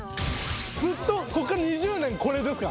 ずっとこっから２０年これですか？